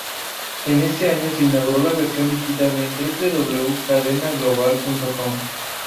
En ese año se inauguró la versión digital en "www.cadenaglobal.com".